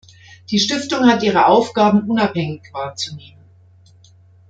Die Stiftung hat ihre Aufgaben unabhängig wahrzunehmen.